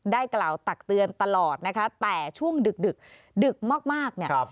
กล่าวตักเตือนตลอดนะคะแต่ช่วงดึกดึกมากเนี่ย